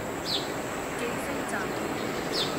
既非贊同，